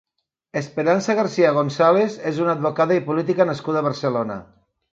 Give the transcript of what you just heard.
Esperanza García González és una advocada i política nascuda a Barcelona.